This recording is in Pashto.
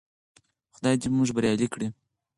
خدای دې موږ بريالي کړي.